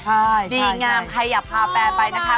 ใช่ดีงามใครอยากพาแปรไปนะคะ